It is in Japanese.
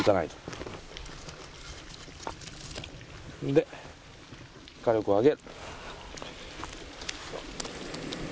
で火力を上げる。